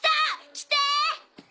来て！